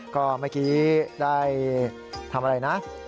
ก็เมื่อกี้ได้ทำอะไรนะ